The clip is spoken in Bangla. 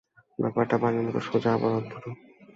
ব্যাপারটা পানির মতো সোজা আবার উদ্ভটও?